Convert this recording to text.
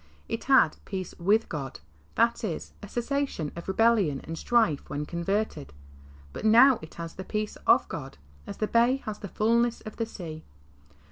'^ It had "peace with God" — that is, a cessation of re bellion and strife — when converted, but now it has the "peace of God," as the bay has the fulness of the sea.